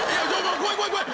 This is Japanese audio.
怖い怖い怖い。